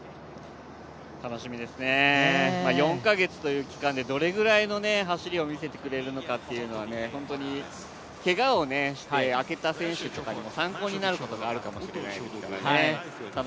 楽しみですね、４か月という期間でどれくらいの走りを見せてくれるのかというのは本当にけがをして明けた選手とかにも参考になるところがあるかもしれないですからね